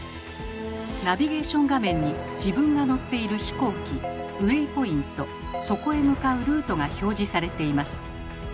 ナビゲーション画面に「自分が乗っている飛行機」「ウェイポイント」「そこへ向かうルート」が表示されています。